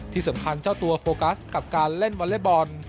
ที่สำคัญเจ้าตัวโฟกัสกับการเล่นวอเล็กบอล